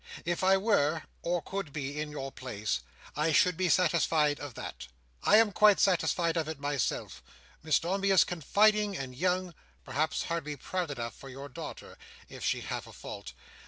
If I were, or could be, in your place, I should be satisfied of that. I am quite satisfied of it myself. Miss Dombey is confiding and young—perhaps hardly proud enough, for your daughter—if she have a fault.